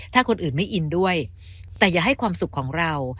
ถ้าคนอื่นไม่อินด้วยแต่อย่าให้ความสุขของเรา